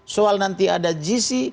soal nanti ada gc